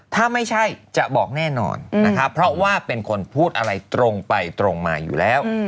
ถ้าไม่ใช่จะบอกแน่นอนนะคะเพราะว่าเป็นคนพูดอะไรตรงไปตรงมาอยู่แล้ว